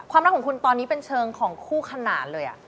รักของคุณตอนนี้เป็นเชิงของคู่ขนานเลย